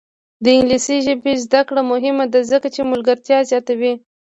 د انګلیسي ژبې زده کړه مهمه ده ځکه چې ملګرتیا زیاتوي.